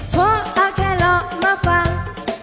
หัวเอาแคโรตมาฟัง